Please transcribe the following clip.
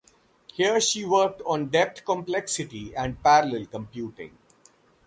Here she worked on depth complexity and parallel computing.